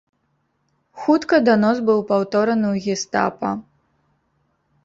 Хутка данос быў паўтораны ў гестапа.